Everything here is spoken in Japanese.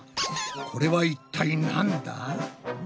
これは一体なんだ？